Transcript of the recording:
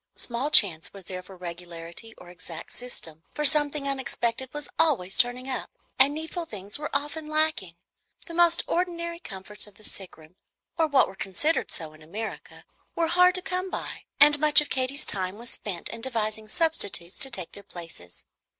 Small chance was there for regularity or exact system; for something unexpected was always turning up, and needful things were often lacking. The most ordinary comforts of the sick room, or what are considered so in America, were hard to come by, and much of Katy's time was spent in devising substitutes to take their places.